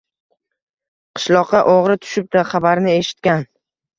Qishloqqa o‘g‘ri tushibdi xabarini eshitgan.